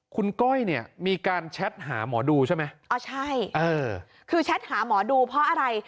คุณก้อยเนี่ยมีการแชทหาหมอดูใช่ไหมอ๋อใช่เออคือแชทหาหมอดูเพราะอะไร